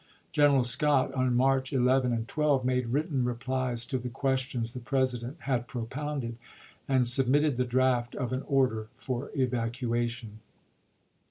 General Scott, on March 11 i86i. and 12, made written replies to the questions the President had propounded, and submitted the draft of an order for evacuation.